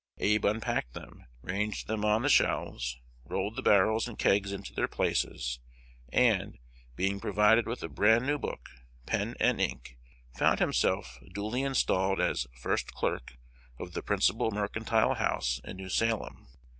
Abe unpacked them, ranged them on the shelves, rolled the barrels and kegs into their places, and, being provided with a brand new book, pen, and ink, found himself duly installed as "first clerk" of the principal mercantile house in New Salem.